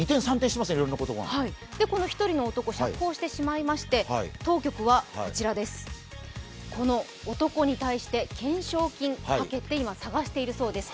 この１人の男、釈放してしまいまして、当局はこの男に対して懸賞金をかけて、今、捜しているそうです。